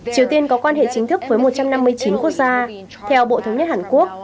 triều tiên có quan hệ chính thức với một trăm năm mươi chín quốc gia theo bộ thống nhất hàn quốc